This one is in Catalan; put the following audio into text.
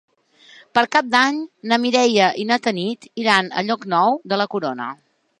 Per Cap d'Any na Mireia i na Tanit iran a Llocnou de la Corona.